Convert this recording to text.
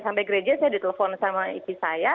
sampai gereja saya ditelepon sama istri saya